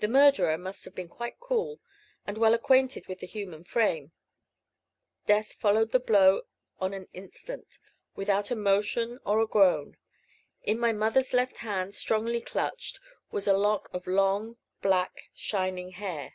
The murderer must have been quite cool, and well acquainted with the human frame. Death followed the blow on the instant, without a motion or a groan. In my mother's left hand strongly clutched was a lock of long, black, shining hair.